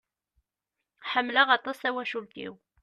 Ḥemmeleq aṭas tawacult-iw.